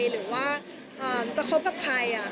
หรือว่าจะคบกับใคร